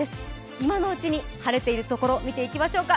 今のうちに晴れているところを見ていきましょうか。